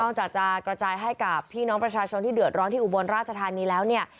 จากจะกระจายให้กับพี่น้องประชาชนที่เดือดร้อนที่อุบลราชธานีแล้วเนี่ย